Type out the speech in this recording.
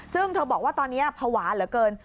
ซึ่งเธอบอกว่าตอนนี้ภาวะเหลือเกิน